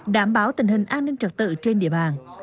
đảm bảo tình hình an ninh trật tự trên địa bàn